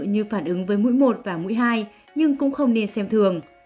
như phản ứng với mũi một và mũi hai nhưng cũng không nên xem thường